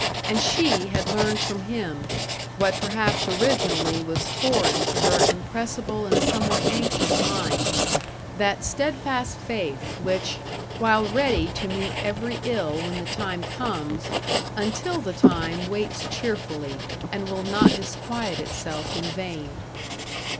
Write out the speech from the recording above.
And she had learned from him what perhaps originally was foreign to her impressible and somewhat anxious mind that steadfast faith, which, while ready to meet every ill when the time comes, until the time waits cheerfully, and will not disquiet itself in vain.